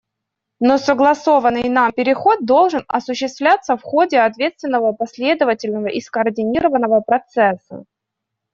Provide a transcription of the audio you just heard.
Но согласованный нами переход должен осуществляться в ходе ответственного, последовательного и скоординированного процесса.